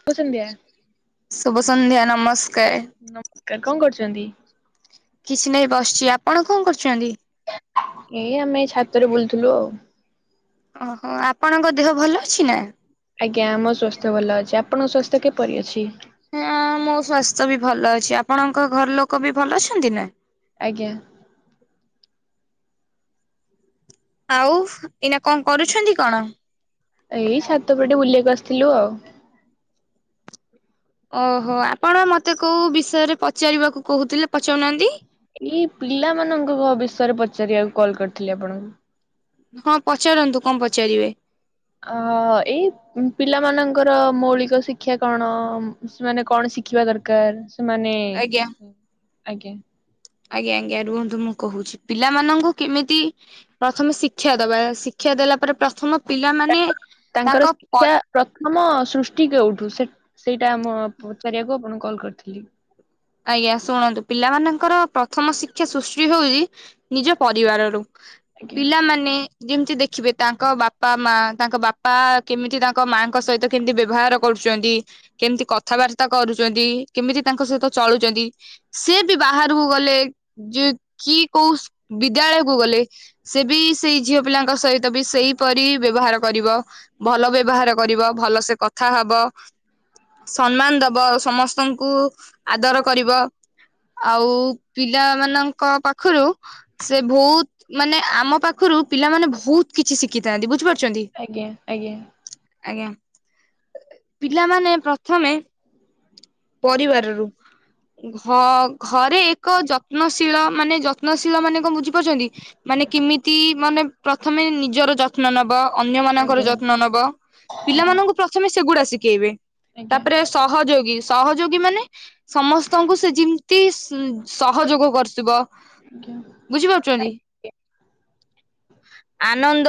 ଶୁଭ ସନ୍ଧ୍ୟା ଶୁଭ ସନ୍ଧ୍ୟା ନମସ୍କାର ନମସ୍କାର କଣ କରୁଛନ୍ତି କିଛି ନାହିଁ ବସିଛି ଆପଣ କଣ କରୁଛନ୍ତି ଏଇ ଆମେ ଏଇ ଛାତରେ ବୁଲୁଥିଲୁ ଆଉ ଓହୋ ଆପଣଙ୍କ ଦେହ ଭଲ ଅଛି ନା ଆଜ୍ଞା ଆମ ସ୍ୱାସ୍ଥ୍ୟ ଭଲ ଅଛି ଆପଣଙ୍କ ସ୍ୱାସ୍ଥ୍ୟ କିପରି ଅଛି ହଁ ମୋ ସ୍ଵାସ୍ଥ୍ୟ ବି ଭଲ ଅଛି ଆପଣଙ୍କ ଘର ଲୋକ ବି ଭଲ ଅଛନ୍ତି ନା ଆଜ୍ଞା ଆଉ ଏଇନା କଣ କରୁଛନ୍ତି କଣ ଏଇ ଛାତ ଉପରେ ଟିକେ ବୁଲିବାକୁ ଆସିଥିଲୁ ଆଉ ଓହୋ ଆପଣ ମତେ କୋଉ ବିଷୟରେ ପଚାରିବାକୁ କହୁଥିଲେ ପଚାରୁନାହାନ୍ତି ଏଇ ପିଲାମାନଙ୍କ ବିଷୟରେ ପଚାରିବାକୁ କଲ୍ କରିଥିଲି ଆପଣଙ୍କୁ ହଁ ପଚାରନ୍ତୁ କଣ ପଚାରିବେ ଅ ଏଇ ପିଲାମାନଙ୍କର ମୌଳିକ ଶିକ୍ଷା କଣ ମାନେ କଣ ଶିଖିବା ଦରକାର ସେମାନେ ଆଜ୍ଞା ଆଜ୍ଞା ଆଜ୍ଞା ଆଜ୍ଞା ରୁହନ୍ତୁ ମୁଁ କହୁଛି ପିଲାମାନଙ୍କୁ କେମିତି ପ୍ରଥମେ ଶିକ୍ଷ ଶିକ୍ଷା ଦବା ଶିକ୍ଷା ଦେଲା ପରେ ପ୍ରଥମ ପିଲାମାନେ ତାଙ୍କର ତାଙ୍କ ଶିକ୍ଷା ପର ପ୍ରଥମ ସୃଷ୍ଟି କେଉଠୁ ସେଇଟା ମୁଁ ପଚାରିବାକୁ ଆପଣଙ୍କୁ କଲ୍ କରିଥିଲି ଆଜ୍ଞା ଶୁଣନ୍ତୁ ପିଲାମାନଙ୍କର ପ୍ରଥମ ଶିକ୍ଷା ସୃଷ୍ଟି ହଉଛି ନିଜ ପରିବାରରୁ ଆଜ୍ଞା ପିଲାମାନେ ଯେମିତି ଦେଖିବେ ତାଙ୍କ ବାପା ମା ତାଙ୍କ ବାପା କେମିତି ତାଙ୍କ ମାଙ୍କ ସହିତ କେମିତି ବ୍ୟବହାର କରୁଛନ୍ତି କେମିତି କଥାବାର୍ତ୍ତା କରୁଛନ୍ତି କେମିତି ତାଙ୍କ ସହିତ ଚଳୁଛନ୍ତି ସେ ବି ବାହାରକୁ ଗଲେ ଯେ କି କୋଉ ବିଦ୍ୟାଳୟକୁ ଗଲେ ସେ ବି ସେଇ ଝିଅ ପିଲାଙ୍କ ସହିତ ତ ବି ସେଇପରି ବ୍ୟବହାର କରିବ ଭଲ ବ୍ୟବହାର କରିବ ଭଲସେ କଥା ହବ ସମ୍ମାନ ଦବ ସମସ୍ତଙ୍କୁ ଆଦର କରିବ ଆଉ ପିଲା ମାନଙ୍କ ପାଖରୁ ସେ ବହୁତ ମାନେ ଆମ ପାଖରୁ ପିଲାମାନେ ବହୁତ କିଛି ଶିଖିଥାନ୍ତି ବୁଝିପାରୁଛନ୍ତି, ଆଜ୍ଞା ଆଜ୍ଞା। ଆଜ୍ଞା! ପିଲାମାନେ ପ୍ରଥମେ ପରିବାରରୁ ଘ ଘରେ ଏକ ଯତ୍ନଶୀଳ ମାନେ ଯତ୍ନଶୀଳ ମାନେ କଣ ବୁଝିପାରୁଛନ୍ତି ମାନେ କିମିତି ମାନେ ପ୍ରଥମେ ନିଜର ଯତ୍ନ ନବ, ଅନ୍ୟ ମାନଙ୍କର ଆଜ୍ଞା ଯତ୍ନ ନବ ପିଲାମାନଙ୍କୁ ପ୍ରଥମେ ସେଗୁଡା ଶିଖେଇବେ ଆଜ୍ଞା ଆଜ୍ଞା ତାପରେ ସହଯୋଗୀ ସହଯୋଗୀ ମାନେ ସମସ୍ତଙ୍କୁ ସେ ଯେମିତି ସହଯୋଗ କରୁଥିବ ଆଜ୍ଞା ବୁଝିପାରୁଛନ୍ତି ଆଜ୍ଞା ଆନନ୍ଦ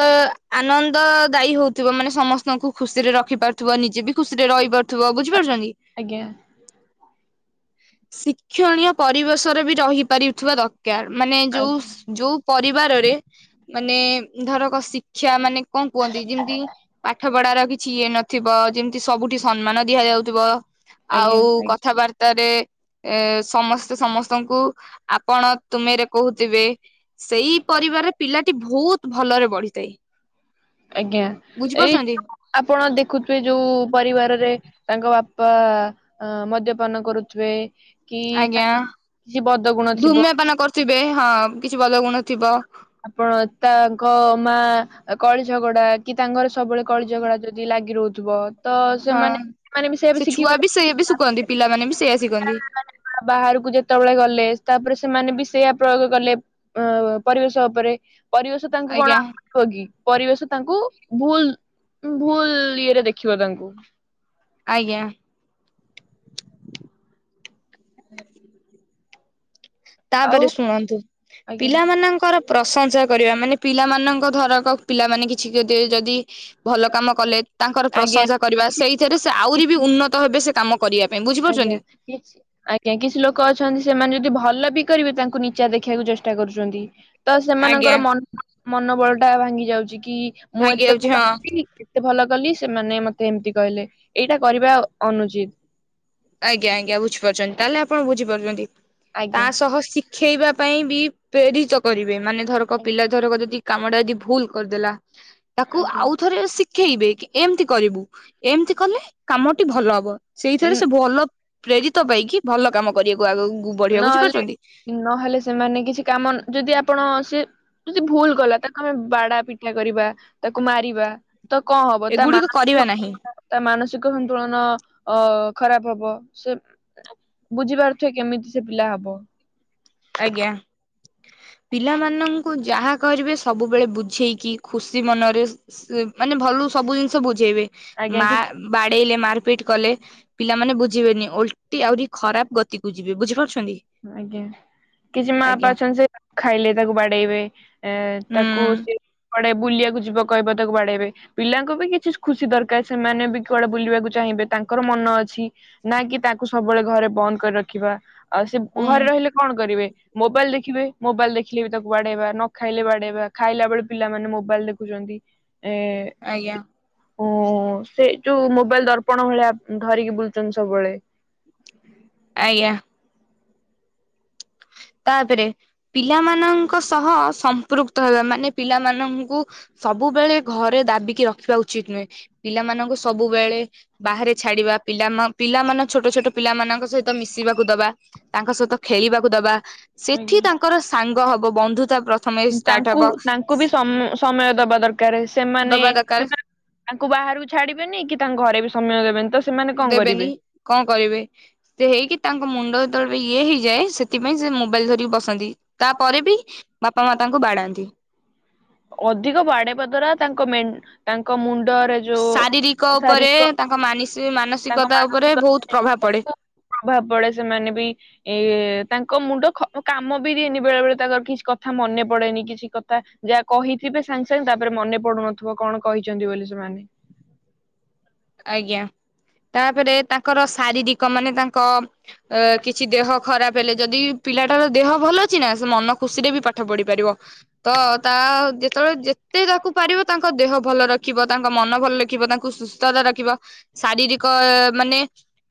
ଆନନ୍ଦ ଦାୟୀ ହଉଥିବ ମାନେ ସମସ୍ତଙ୍କୁ ଖୁସିରେ ରଖିପାରୁଥିବ ନିଜେ ବି ଖୁସିରେ ରହିପାରୁଥିବ ବୁଝିପାରୁଛନ୍ତି। ଆଜ୍ଞା! ଶିକ୍ଷଣୀୟ ପରିବେଶରେ ବି ରହିପାରିଥିବା ଦରକାର ମାନେ ଯୋଉ ଯୋଉ ପରିବାରରେ ମାନେ ଧରକ ଶିକ୍ଷା ମାନେ କଣ କୁହନ୍ତି ଯେମିତି ପାଠ ପଢାର କିଛି ଇଏ ନଥିବ ଯେମିତି ସବୁଠି ସମ୍ମାନ ଦିଆଯାଉଥିବ। ଆଉ ଆଜ୍ଞା ଆଜ୍ଞା କଥାବାର୍ତାରେ ଏ ସମସ୍ତେ ସମସ୍ତଙ୍କୁ ଆପଣ ତୁମେରେ କହୁଥିବେ। ସେଇ ପରିବାରରେ ପିଲାଟି ବହୁତ ଭଲରେ ବଢିଥାଏ। ଆଜ୍ଞା! ଏଇ ବୁଝିପାରୁଛନ୍ତି। ଆପଣ ଦେଖୁଥିବେ ଯୋଉ ପରିବାରରେ ତାଙ୍କ ବାପା ଅ ମଦ୍ୟପାନ କରୁଥିବେ କି ଆଜ୍ଞା ତା କିଛି ବଦ ଗୁଣ ଥିବ। ଥିବେ ହଁ, କିଛି ଭଲ ଗୁଣ ଥିବ। ଆପଣ ତାଙ୍କ ମା କଳି ଝଗଡା କି ତାଙ୍କର ସବୁବେଳେ କଳି ଝଗଡା ଯଦି ଲାଗି ରହୁଥିବ ତ ହଁ, ସେମାନେ ସେମାନେ ବି ସେୟା ସେ ଛୁଆ ଶିଖିବେ ବି ସେଇ ବି ଶୁକନ୍ତି ପିଲାମାନେ ବି ସେଇଆ ଶିଖନ୍ତି ବାହାରକୁ ଯେତେବେଳେ ଗଲେ ତାପରେ ସେମାନେ ବି ସେଇଆ ପ୍ରୟୋଗ କଲେ। ଅ ପରିବେଶ ଉପରେ ପରିବେଶ ତାଙ୍କୁ ଆଜ୍ଞା କଣ ହୋଗି ପରିବେଶ ତାଙ୍କୁ ଭୁଲ ଭୁଲ ଇଏରେ ଦେଖିବ ତାଙ୍କୁ ଆଜ୍ଞା! ଆଉ ତାପରେ ଶୁଣନ୍ତୁ ଆଜ୍ଞା ପିଲା ମାନଙ୍କର ପ୍ରଶଂସା କରିବା ମାନେ ପିଲାମାନଙ୍କ ଧରକ ପିଲାମାନେ କିଛି ଯଦି ଭଲ କାମ କଲେ ତାଙ୍କର ଆଜ୍ଞା ପ୍ରଶଂସା କରିବା ସେଇଥିରେ ସେ ଆହୁରି ବି ଉନ୍ନତ ହେବେ ସେ କାମ କରିବା ପାଇଁ ବୁଝୁ ଆଜ୍ଞା! କିଛି ଆଜ୍ଞା! କିଛି ଲୋକ ଅଛନ୍ତି ସେମାନେ ଯଦି ଭଲ ବି କରିବେ ତାଙ୍କୁ ନିଚା ଦେଖେଇବାକୁ ଚେଷ୍ଟା କରୁଛନ୍ତି। ତ ଆଜ୍ଞା ସେମାନଙ୍କର ମନୋବଳ ଟା ଭାଙ୍ଗି ଯାଉଛି କି ମୁଁ ଭାଙ୍ଗି ଏତେ ଯାଉଛି ହଁ [unintelligible] ଏତେ ଭଲ କଲି ସେମାନେ ମତେ ଏମିତି କହିଲେ ଏଇଟା କରିବା ଅନୁଚିତ। ଆଜ୍ଞା! ଆଜ୍ଞା! ବୁଝିପାରୁଛନ୍ତି ତାହେଲେ ଆପଣ ବୁଝିପାରୁଛନ୍ତି ତା ଆଜ୍ଞା ସହ ଶି ଖେଇବା ପାଇଁ ବି ପ୍ରେରିତ କରିବେ ମାନେ ଧରକ ପିଲା ଆଜ୍ଞା ଧରକ ଯଦି କାମଟା ଯଦି ଭୁଲ କରିଦେଲା ତାକୁ ଆଉ ଆଜ୍ଞା ଥରେ ଖେଇବେ କି ଏମିତି କରିବୁ, ଏମିତି କଲେ କାମଟି ଭଲ ହବ, ସେଇଥିରେ ସେ ଭଲ ପ୍ରେରିତ ପାଇକି ଭଲ କାମ କରିବାକୁ ଆଗକୁ ବଢିବାକୁ ନହେଲେ ବୁଝିପାରୁଛନ୍ତି ନହେଲେ ସେମାନେ କିଛି କାମ ଯଦି ଆପଣ ସେ ଯଦି ଭୁଲ ଗଲା ତାକୁ ଆମେ ବାଡା ପି କ୍ଷା କରିବା ତାକୁ ମାରିବା ତ କଣ ହବ ତା ମା ଏଗୁଡିକ କରିବା ନାହିଁ ତ ମାନସିକ ସନ୍ତୁଳନ ଅ ଖରାପ ହବ ସେ ବୁଝିପାରୁଥିବେ କେମିତି ସେ ପିଲା ହବ ଆଜ୍ଞା ପିଲାମାନଙ୍କୁ ଯାହା କରିବେ ସବୁବେଳେ ବୁଝେଇକି ଖୁସି ମନରେ ମାନେ ଭଲକୁ ସବୁ ଜିନିଷ ବୁଝେଇବେ ଆଜ୍ଞା ମା କିଛି ବାଡେଇଲେ ମାରପିଟ କଲେ ପିଲାମାନେ ବୁଝିବେନି ଓଲଟି ଆହୁରି ଖରାପ ଗତିକୁ ଯିବେ ବୁଝିପାରୁଛନ୍ତି ଆଜ୍ଞା କିଛି ମା ବାପା ଆଜ୍ଞା ଅଛନ୍ତି ସେ ନଖାଇଲେ ତାକୁ ବାଡେଇବେ ଏ ହୁଁ ତାକୁ ସେ କୁଆଡେ ବୁଲିବାକୁ ଯିବ କହିବ ତାକୁ ବାଡେଇବେ ପିଲାଙ୍କୁ ବି କିଛି ଖୁସି ଦରକାର ସେମାନେ ବି କୁଆଡେ ବୁଲିବାକୁ ଚାହିଁବେ ତାଙ୍କର ମନ ଅଛି ନା କି ତାଙ୍କୁ ସବୁବେଳେ ଘରେ ବନ୍ଦ କରି ରଖିବା ଆଉ ସେ ହୁଁ ଘରେ ରହିଲେ କଣ କରିବେ ମୋବାଇଲ ଦେଖିବେ ମୋବାଇଲ ଦେଖିଲେ ବି ତାକୁ ବାଡେଇବା ନ ଖାଇଲେ ବାଡେଇବା ଖାଇଲା ବେଳେ ପିଲାମାନେ ମୋବାଇଲ ଦେଖୁଛନ୍ତି ଏ ଆଜ୍ଞା ଓ ସେଇ ଯୋଉ ମୋବାଇଲ ଦର୍ପଣ ଭଳିଆ ଧରିକି ବୁଲୁଛନ୍ତି ସବୁବେଳେ ଆଜ୍ଞା ତାପରେ ପିଲାମାନଙ୍କ ସହ ସମ୍ପୃକ୍ତ ହେବା ମାନେ ପିଲାମାନଙ୍କୁ ସବୁବେଳେ ଘରେ ଦାବିକି ରଖିବା ଉଚିତ ନୁହେଁ ପିଲାମାନଙ୍କୁ ସବୁବେଳେ ବାହାରେ ଛାଡିବା ପିଲାମ ପିଲାମାନେ ଛୋଟ ଛୋଟ ପିଲାମାନଙ୍କ ସହିତ ମିଶିବାକୁ ଦବା ତାଙ୍କ ସହିତ ଖେଳିବାକୁ ଦବା ସେଠି ଆଜ୍ଞା। ତାଙ୍କର ସାଙ୍ଗ ହବ ବନ୍ଧୁତା ପ୍ରଥମେ ଷ୍ଟାର୍ଟ ତାଙ୍କୁ ହବ କାରେ ସେମାନେ ଦବା ଦରକାର ସେମାନେ ତାଙ୍କୁ ବାହାରକୁ ଛାଡିବେନି କି ତାଙ୍କ ଘରେ ବି ସମୟ ଦେବେନି ତ ସେମାନେ କଣ ଦେବେନି କରିବେ କଣ କରିବେ ସେ ହେଇକି ତାଙ୍କ ମୁଣ୍ଡ ଯେତେବେଳେ ଇଏ ହେଇଯାଏ ସେଥିପାଇଁ ସେ ମୋବାଇଲ ଧରିକି ବସନ୍ତି ତାପରେ ବି ବାପା ମା ତାଙ୍କୁ ବାଡାନ୍ତି ଅଧିକ ବାଡେଇବା ଦ୍ଵାରା ତାଙ୍କ ମେନ ତାଙ୍କ ମୁଣ୍ଡରେ ଯୋଉ ଶାରୀରିକ ଉପରେ ଶାରୀରିକ ତାଙ୍କ ମାନିସି ତାଙ୍କ ମାନସିକତା ଉପରେ ମାନସିକ ବହୁତ ପ୍ରଭାବ ପଡେ ପ୍ରଭାବ ପଡେ ସେମାନେ ବି ଏ ତାଙ୍କ ମୁଣ୍ଡ ଖ କାମ ବି ଦିଏନି ବେଳେ ବେଳେ ତାଙ୍କର କିଛି କଥା ମନେ ପଡେନି କିଛି କଥା ଯାହା କହିଥିବେ ସାଙ୍ଗେ ସାଙ୍ଗେ ତାପରେ ମନେ ପଡୁନଥିବ କଣ କହିଛନ୍ତି ବୋଲି ସେମାନେ ଆଜ୍ଞା ତାପରେ ତାଙ୍କର ଶାରୀରିକ ମାନେ ତାଙ୍କ ଅ କିଛି ଦେହ ଖରାପ ହେଲେ ଯଦି ପିଲାଟାର ଦେହ ଭଲ ଅଛି ନା ସେ ମନ ଖୁସିରେ ବି ପାଠ ପଢି ପାରିବ ତ ତା ଯେତେବେଳେ ଯେତେ ତାକୁ ପାରିବ ତାଙ୍କ ଦେହ ଭଲ ରଖିବ ତାଙ୍କ ମନ ଭଲ ରଖିବ ତାଙ୍କୁ ସୁସ୍ଥ ସୁସ୍ଥତା ରଖିବ ଶାରୀରିକ ମାନେ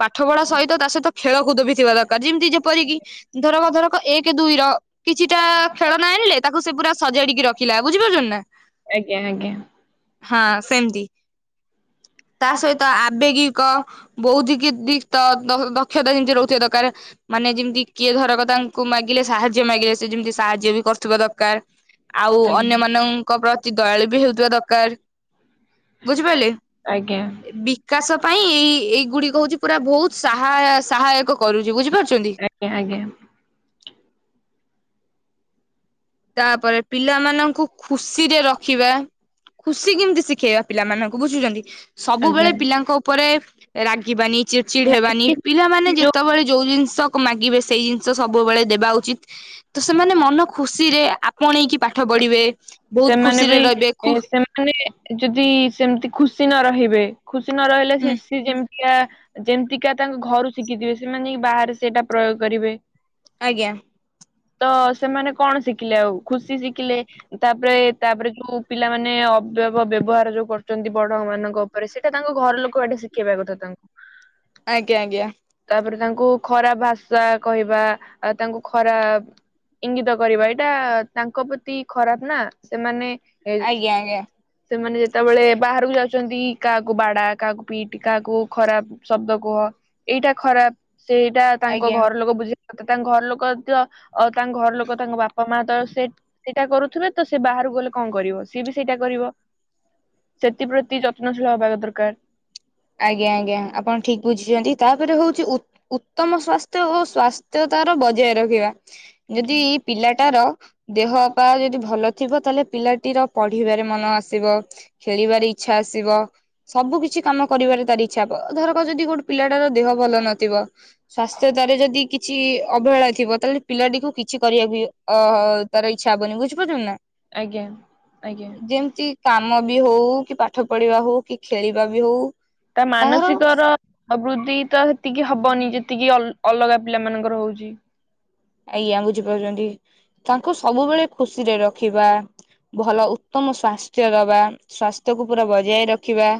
ପାଠ ପଢା ସହିତ ତା ସହିତ ଖେଳକୁଦ ବି ଥିବା ଦରକାର ଯେମିତି ଯେପରିକି ଧରକ ଧରକ ଏକ ଦୁଇ ର କିଛିଟା ଖେଳନା ଆଣିଲେ ତାକୁ ସେ ପୁରା ସଜାଡିକି ରଖିଲା। ବୁଝିପାରୁଛନ୍ତି ନା ଆଜ୍ଞା ଆଜ୍ଞା ହଁ ସେମିତି ତା ସହିତ ଆବେଗିକ ବୌଦ୍ଧିକିତ ଦକ୍ଷତା ଯେମିତି ରହୁଥିବା ଦରକାର। ମାନେ ଯେମିତି କିଏ ଧରକ ତାଙ୍କୁ ମାଗିଲେ ସାହାଯ୍ୟ ମାଗିଲେ ସେ ଯେମିତି ସାହାଯ୍ୟ ବି କରୁଥିବା ଦରକାର। ଆଉ ଅନ୍ୟମାନାନଙ୍କ ପ୍ରତି ଦୟାଳୁ ବି ହେଉଥିବା ଦରକାର। ବୁଝିପାରିଲେ ଆଜ୍ଞା ବିକାଶ ପାଇଁ ଏଇ ଏଇଗୁଡିକ ହଉଛି ପୁରା ବହୁତସାହା ସହାୟକ କରୁଛି ବୁଝିପାରୁଛନ୍ତି। ଆଜ୍ଞା ଆଜ୍ଞା ତାପରେ ପିଲାମାନଙ୍କୁ ଖୁସିରେ ରଖିବା। ଖୁସି କେମିତି ଶିଖେଇବା ପିଲାମାନଙ୍କୁ। ବୁଝୁଛନ୍ତି ଆଜ୍ଞା। ସବୁବେଳେ ପିଲାଙ୍କ ଉପରେ ରାଗିବାନି ଚିଢ ଚିଢ ହେବାନି ନାଇଁ, ପିଲାମାନେ ଯୋଉ ଯେତେବେଳେ ଯୋଉ ଜିନିଷ ମାଗିବେ ସେଇ ଜି ନିଶ ସବୁବେଳେ ଦେବା ଉଚିତ। ତ ସେମାନେ ମନ ଖୁସି ରେ ଆପଣେଇକି ପାଠ ପଢିବେ। ବହୁତ ଖୁସିରେ ରହିବେ। ଖୁ ମାନେ ଯଦି ସେମିତି ଖୁସି ନ ରହିବେ ଖୁସି ନ ରହିଲେ ସେ ହୁଁ ସେ ଯେମ ୟା ଯେମିତିକା ତାଙ୍କ ଘରୁ ଶିଖିଥିବେ ସେମାନେ ଯାଇକି ବାହାରେ ସେଇଟା ପ୍ରୟୋଗ କରିବେ। ଆଜ୍ଞା ତ ସେମାନେ କଣ ଶିଖିଲେ ଆଉ ଖୁସି ଶିଖିଲେ। ତାପରେ ତାପରେ ଯୋଉ ପିଲାମାନୋନେ ଅବ୍ୟବ ବ୍ୟବହାର ଯୋଉ କରୁଛନ୍ତି ବଡ ମାନଙ୍କ ଉପରେ ସେଇଟା ତାଙ୍କ ଘର ଲୋକ ଏଟେ ଶିଖେଇବା କଥା ତାଙ୍କୁ। ଆଜ୍ଞା ଆଜ୍ଞା ତାପରେ ତାଙ୍କୁ ଖରା ଭାଷା କହିବା ଆ ତାଙ୍କୁ ଖରା ଇଙ୍ଗିତ କରିବା ଏଇଟା ତାଙ୍କ ପ୍ରତି ଖରାପ ନା ସେମାନେ ଏ ଆଜ୍ଞା ଆଜ୍ଞା ସେମାନେ ଯେତେବେଳେ ବାହାରକୁ ଯାଉଛନ୍ତି କାହାକୁ ବାଡା କାହାକୁ ପିଟ୍ କାହାକୁ ଖରାପ ଶବ୍ଦ କୁହ ଏଇଟା ଖରାପ। ସେଇଟା ତାଙ୍କ ଆଜ୍ଞା। ଘର ଲୋକ ବୁଝେଇ କଥା ତାଙ୍କ ଘର ତ ଲୋକ ତାଙ୍କ ଘର ଲୋକ ତାଙ୍କ ବାପ ପ ମା ତ ସେ ସେଇଟା କରୁଥିବେ ତ ସେ ବାହକୁ ଗଲେ କଣ କରିବ ସିଏ ବି ସେଇଟା କରିବ। ସେଥିପ୍ରତି ଯତ୍ନଶୀଳ ହେବା ଦରକାର। ଆଜ୍ଞା ଆଜ୍ଞା ଆପଣ ଠିକ ବୁଝିଛନ୍ତି। ତାପରେ ହଉଛି ଉତ୍ତମ ସ୍ଵାସ୍ଥ୍ୟ ଓ ସ୍ଵାସ୍ଥ୍ୟତାର ବଜାୟ ରଖିବା। ଯଦି ଆଜ୍ଞା ପିଲାଟାର ଦେହ ପା ଯଦି ଭଲ ଥିବ ତାହେଲେ ପିଲାଟିର ପଢିବାରେ ମନ ଆସିବ, ଖେଳିବାରେ ଇଚଛା ଆସିବ, ସବୁ କିଛି କାମ କରିବାରେ ତାର ଇଚ୍ଛା ଧରକ ଯଦି ଗୋଟେ ପିଲାଟାର ଦେହ ଭଲ ନଥିବ? ସ୍ଵାସ୍ଥ୍ୟତ ରେ ଯଦି କିଛି ଅବହେଳା ଥିବ ତାହେଲେ ପିଲାଟିକୁ କିଛି କରିବା ଓହୋ ତାର ଇଛା ହବନି ବୁଝିପାରୁଛନ୍ତି ନା ଆଜ୍ଞା ଆଜ୍ଞା ଯେମତି କାମ ବି ହଉ କି ପାଠ ପଢିବା ହଉ କି ଖେଳିବା ବି ହଉ ତା ତାଙ୍କର ମାନସିକ ର ଆ ବୃଦ୍ଧି ତ ସେତିକି ହବନି ଯେତିକି ଅଲ ଅଲଗା ପିଲା ମାନଙ୍କର ହଉଛି। ଆଜ୍ଞା ବୁଝିପାରୁଛନ୍ତି। ତାଙ୍କୁ ସବୁବେଳେ ଖୁସିରେ ରଖିବା। ଭଲ ଉତ୍ତମ ସ୍ୱାସ୍ଥ୍ୟ ଦବା ସ୍ଵାସ୍ଥ୍ୟକୁ ପୁରା ବଜାୟ ରଖିବା।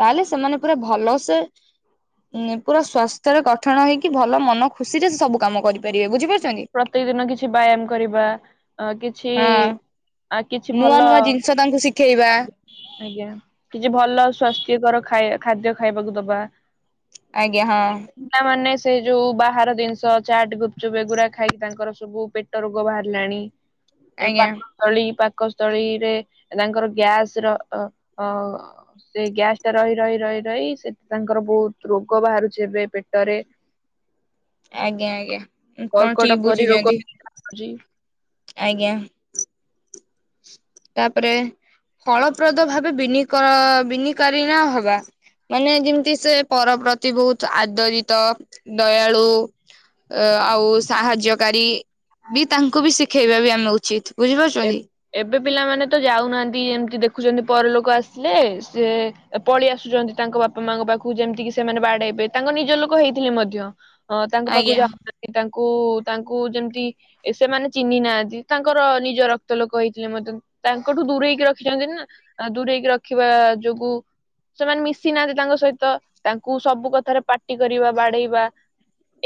ତାହେଲେ ସେମାନେ ପୁରା ଭଲସେ ପୁରା ସ୍୍ୱାସ୍ଥ୍ୟରେ ଗଠନ ହେଇକି ଭଲ ମନ ଖୁସିରେ ସବୁ କାମ କରିପାରିବେ। ବୁଝିପାରୁଛନ୍ତି। ପ୍ରତ୍ୟ ଦିନ କିଛି ବ୍ୟାୟାମ କରିବା କିଛି ଆଉ କିଛି ଭଲ ଛ ତାଙ୍କୁ ଶିଖେଇବା। ଆଜ୍ଞା କିଛି ଭଲ ସ୍ଵାସ୍ଥ୍ୟକର ଖାଇ ଖାଦ୍ୟ ଖାଇବାକୁ ଦବା। ଆଜ୍ଞା ହଁ ପିଲାମାନୋନ ସେ ଯୋଉ ବାହାର ଜିନିଷ ଚାଟ ଗୁପଚୁପ ବେଗୁୁରା ଖାଇକି ତାଙ୍କର ସବୁ ପେ ଟ ରୋଗ ବାହାରିଲାଣି ଆଜ୍ଞା ପାକସ୍ଥଳୀ ପାକସ୍ଥଳୀରେ ତାଙ୍କର ଗ୍ୟାସ ର ଅ ଅ ସେ ଗ୍ୟାସ ଟା ରହି ରହି ରହି ରହି ସେ ତାଙ୍କର ବହୁତ ରୋଗ ବାହାରୁଛି ଏବେ ପେଟରେ। ଆଜ୍ଞା ଆଜ୍ଞା କଣ ଠିକ ବୁଝିଛନ୍ତି ଯେ ଆଜ୍ଞା ତାପରେ ଫଳପ୍ରଦ ଭାବେ ବିନ ବିନିକାରୀଣ ହବା ମାନେ ଯେମିତି ସେ ପର ପ୍ରତି ବହୁତ ଆଦରିତ ଦୟାଳୁ ଆଉ ସାହାଯ୍ୟକାରୀ ବି ତାଙ୍କୁ ବି ଶିଖେଇବା ବି ଆମେ ଉଚିତ ଏ ବୁଝିପାରୁଛନ୍ତି ଏବେ ପିଲାମାନେ ତ ଯାଉନାହାନ୍ତି ଏମିତି ଦେଖୁଛନ୍ତି ପରଲୋକ ଆସିଲେ ସେି ପଳେଇ ଆସୁଛନ୍ତି ତାଙ୍କ ବାପା ମାଙ୍କ ପାଖକୁ ଯେମିତିକି ସେମାନେ ବାଡ ହେଇବେ ତାଙ୍କ ନିଜ ଲୋକ ହେଇଥିଲେ ମଧ୍ୟ ଅ ତାଙ୍କ ପାଖକୁ ଆଜ୍ଞା ଯାଉନାହାନ୍ତି ତାଙ୍କୁ ତାଙ୍କୁ ଯେମିତି ସେମାନେ ଚିହ୍ନି ନାହାନ୍ତି ତାଙ୍କର ନିଜ ରକ୍ତ ଲୋକ ହେଇଥିଲେ ମଧ୍ୟ ତାଙ୍କଠୁ ଦୂରେଇକି ରଖିଛନ୍ତି ନା ଦୂରେଇକି ରଖିବା ଯୋଗୁ ସେମାନେ ମିଶି ନାହାନ୍ତି ତାଙ୍କ ସହିତ ତାଙ୍କୁ ସବୁ କଥାରେ ପାାର୍ଟି କରିବା ବାଡେଇବା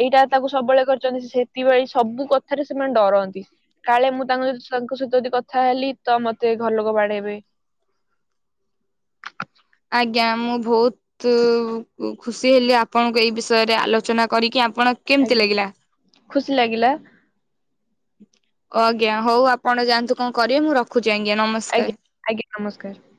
ଏଇଟା ତାକୁ ସବୁବେଳେ କରିଛନ୍ତି ସେଥିପାଇ ସବୁ କଥାରେ ସେମାନେ ଡରନ୍ତି କାଳେ ମୁଁ ତାଙ୍କ ଯଦି ତାଙ୍କ ସହିତ ଯଦି କଥା ହେଲି ତ ମତେ ଘରଲୋକ ବାଡେଇବେ ଆଜ୍ଞା ମୁଁ ବହୁତ ଖୁସି ହେଲି ଆପଣଙ୍କୁ ଏଇ ବିଷୟରେ ଆଲୋଚନା କରିକି ଆପଣ କେମିତି ଆଜ୍ଞା ଲାଗିଲା? ଖୁସି ଲାଗିଲା ଆଜ୍ଞା ହଉ ଆପଣ ଯାଆନ୍ତୁ କଣ କରିବେ ମୁଁ ରଖଛି ଆଜ୍ଞା ନମସ୍କାର ଆଜ୍ଞା ଆଜ୍ଞା ନମସ୍କାର